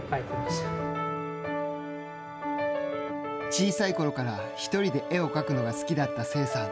小さいころから１人で絵を描くのが好きだった聖さん。